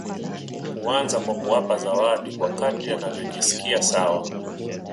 Huanza kwa kuwapa zawadi kwa kadri anavyojisikia sawa